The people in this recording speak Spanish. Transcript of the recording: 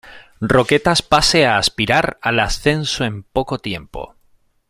Roquetas pase a aspirar al ascenso en poco tiempo.